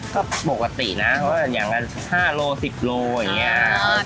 ก็ปกตินะอย่างนั้น๕โล๑๐โลอย่างนี้